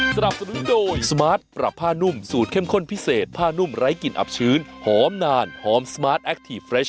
สนับสนุนโดยสมาร์ทปรับผ้านุ่มสูตรเข้มข้นพิเศษผ้านุ่มไร้กลิ่นอับชื้นหอมนานหอมสมาร์ทแคคทีฟเฟรช